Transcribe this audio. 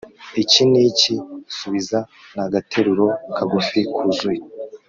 Iki ni iki? Subiza nagateruro kagufi kuzuye